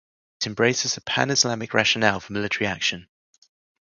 It embraces a pan-Islamist rationale for military action.